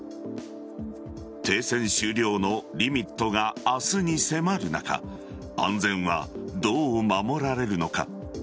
停戦終了のリミットが明日に迫る中安全はどう守られるのか。